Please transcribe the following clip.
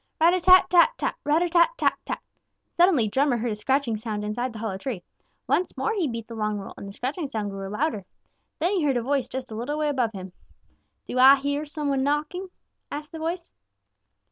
Rat a tat tat tat! Rat a tat tat tat! Suddenly Drummer heard a scratching sound inside the hollow tree. Once more he beat the long roll and the scratching sound grew louder. Then he heard a voice just a little way above him. "Do Ah hear some one knocking?" asked the voice.